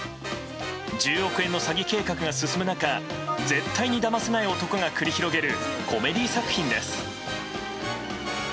１０億円の詐欺計画が進む中絶対にだませない男が繰り広げるコメディー作品です。